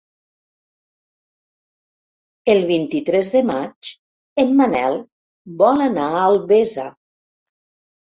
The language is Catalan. El vint-i-tres de maig en Manel vol anar a Albesa.